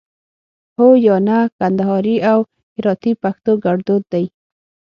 هو 👍 یا 👎 کندهاري او هراتي پښتو کړدود دی